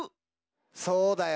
そうだよ。